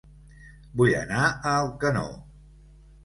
Vull anar a Alcanó